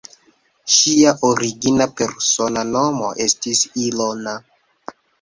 Ŝia origina persona nomo estis "Ilona".